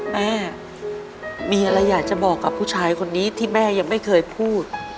แม่มีอะไรอยากจะบอกกับผู้ชายคนนี้ที่แม่ยังไม่เคยพูด